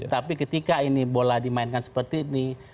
tapi ketika ini bola dimainkan seperti ini